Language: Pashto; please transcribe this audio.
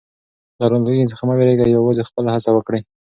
له راتلونکي څخه مه وېرېږئ او یوازې خپله هڅه وکړئ.